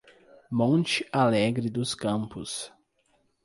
Monte Alegre dos Campos